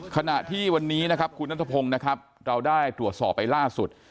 ขณะที่วันนี้คุณนัทพงษ์เราได้ตรวจสอบไปล่าสุด